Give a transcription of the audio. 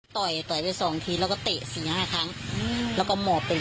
ต่อยต่อยไปสองทีแล้วก็เตะสี่ห้าครั้งแล้วก็หมอบไปเลย